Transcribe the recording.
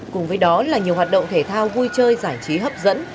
cùng với đó là nhiều hoạt động thể thao vui chơi giải trí hấp dẫn